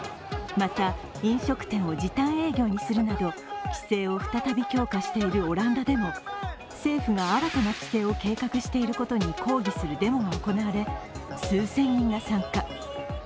また、飲食店を時短営業にするなど規制を再び強化しているオランダでも政府が新たな規制を計画していることに抗議するデモが行われ数千人が参加。